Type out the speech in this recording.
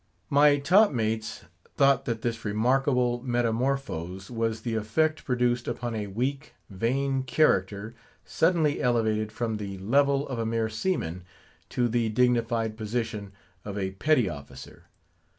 My top mates thought that this remarkable metamorphose was the effect produced upon a weak, vain character suddenly elevated from the level of a mere seaman to the dignified position of a petty officer.